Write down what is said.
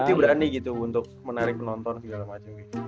tapi dia berani gitu untuk menarik penonton segala macem gitu